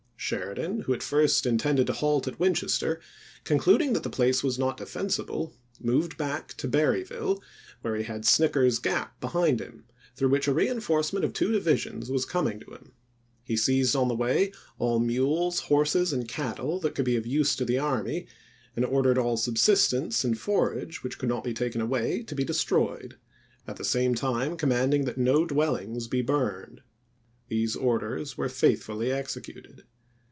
Sheridan, who at first in tended to halt at Winchester, concluding that the place was not defensible, moved back to Ber ry ville where he had Snicker's Gap behind him, through which a reenforcement of two divisions was coming to him. He seized on the way all mules, horses, and cattle that could be of use to the army and ordered all subsistence and forage which could not be taken away to be de stroyed; at the same time commanding that no Report Supple ment, Vol. II., p. 35. SHERIDAN IN THE SHENANDOAH 295 dwellings be burned. These orders were faith ch. xiii. fully executed.